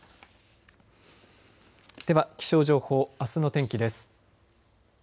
では気象情報あすの天気です。